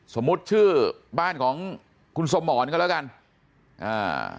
สมมุติชื่อบ้านของคุณสมรก็แล้วกันอ่า